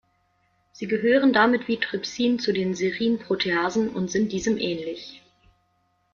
Sie gehören damit wie Trypsin zu den Serinproteasen und sind diesem ähnlich.